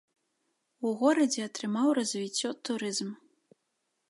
У горадзе атрымаў развіццё турызм.